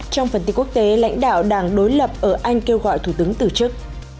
trong phần tiết quốc tế lãnh đạo đảng đối lập ở anh kêu gọi thủ tướng từ chức